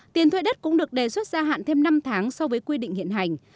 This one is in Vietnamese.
tiền thuê đất cũng được đề xuất gia hạn thêm năm tháng so với quy định hiện hành